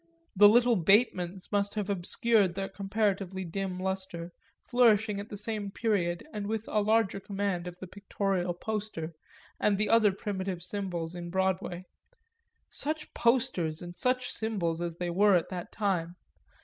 The little Batemans must have obscured their comparatively dim lustre, flourishing at the same period and with a larger command of the pictorial poster and the other primitive symbols in Broadway such posters and such symbols as they were at that time!